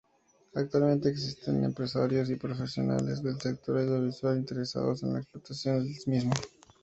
Actualmente existen empresarios y profesionales del sector audiovisual interesados en la explotación del mismo.